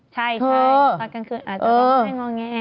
ใช่ตอนกลางคืนอาจจะร้องไห้งอแง